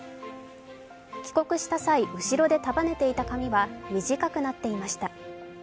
帰国した際、後ろで束ねていた髪は短くなっていました。